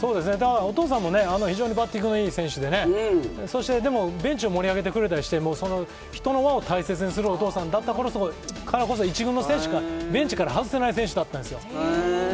お父さんも非常にバッティングのいい選手で、そしてベンチを盛り上げてくれたりして人の輪を大切にする選手だったからこそだからこそ一軍の、ベンチから外せない選手だったんですよ。